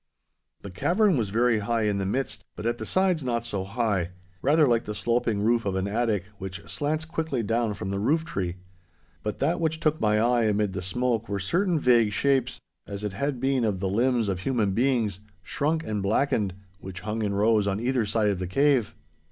The cavern was very high in the midst, but at the sides not so high—rather like the sloping roof of an attic which slants quickly down from the rooftree. But that which took my eye amid the smoke were certain vague shapes, as it had been of the limbs of human beings, shrunk and blackened, which hung in rows on either side of the cave.